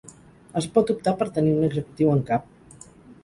Es pot optar per tenir un executiu en cap.